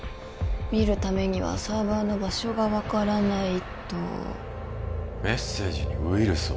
見るためにはサーバーの場所が分からないとメッセージにウイルスを？